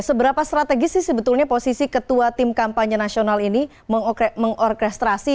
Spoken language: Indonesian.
seberapa strategis sih sebetulnya posisi ketua tim kampanye nasional ini mengorkestrasi